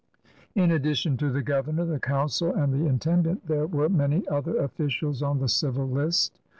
In addition to the governor, the council, and the intendant, there were many other officials on the dvil list.